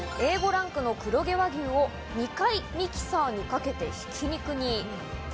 Ａ５ランクの黒毛和牛を２回ミキサーにかけて挽き肉に。